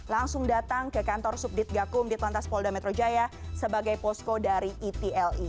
langsung datang ke kantor subdit gakum ditlantas polda metro jaya sebagai posko dari etli